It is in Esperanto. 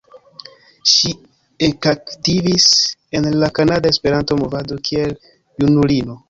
Ŝi ekaktivis en la kanada Esperanto-movado kiel junulino.